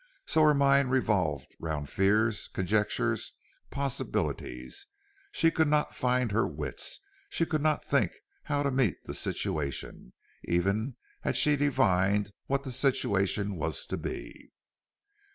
So her mind revolved round fears, conjectures, possibilities; she could not find her wits. She could not think how to meet the situation, even had she divined what the situation was to be.